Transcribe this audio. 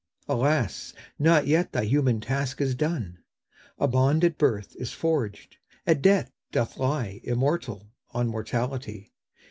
Alas, not yet thy human task is done! A bond at birth is forged; a debt doth lie Immortal on mortality.